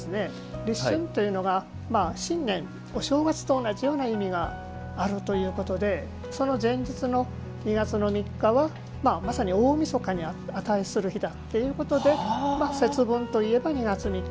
立春というのが新年お正月と同じような意味があるということでその前日の２月の３日はまさに大みそかに値する日だということで節分といえば２月３日